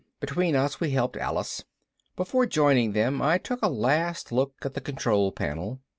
Between us we helped Alice. Before joining them I took a last look at the control panel.